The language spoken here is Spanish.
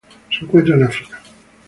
Se encuentra en África.